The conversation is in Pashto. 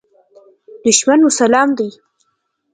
دښمن مو اسلام دی.